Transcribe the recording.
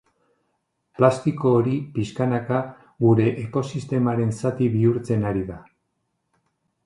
Plastiko hori pixkanaka gure ekosistemaren zati bihurtzen ari da.